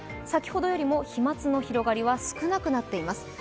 先ほどよりも飛まつの広がりは少なくなっています。